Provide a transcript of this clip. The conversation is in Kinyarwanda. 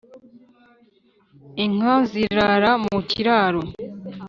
inka zirara mu kiraro